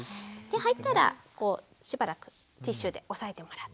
入ったらしばらくティッシュで押さえてもらって。